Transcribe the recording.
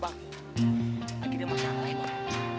bang lagi ada masalah ya mon